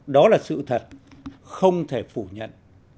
đó là sự thật không thể phủ nhận